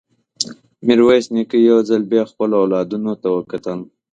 ميرويس نيکه يو ځل بيا خپلو اولادونو ته وکتل.